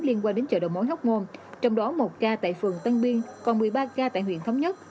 liên quan đến chợ đầu mối hóc môn trong đó một ca tại phường tân biên còn một mươi ba ca tại huyện thống nhất